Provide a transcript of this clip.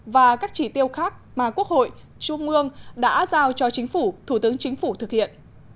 và các chỉ tiêu khác mà quốc hội trung ương đã giao cho chính phủ thủ tướng chính phủ thực hiện